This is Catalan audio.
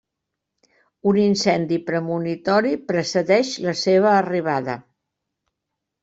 Un incendi premonitori precedeix la seva arribada.